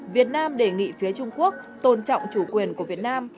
việt nam đề nghị phía trung quốc tôn trọng chủ quyền của việt nam